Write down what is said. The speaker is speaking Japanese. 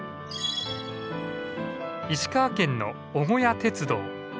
石川県の尾小屋鉄道。